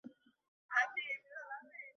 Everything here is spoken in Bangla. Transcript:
মওকুফ হওয়াই যথার্থ।